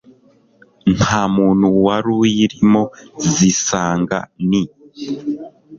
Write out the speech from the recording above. ntamuntu waruyirimo zisanga ni